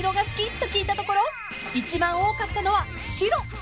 ［と聞いたところ一番多かったのは白］